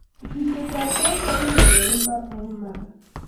butishet ab chekakinyor eng' mbar eng' imanda